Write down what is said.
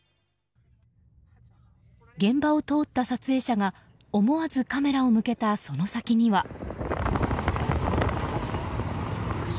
現場を通った撮影者が思わずカメラを向けたその先には。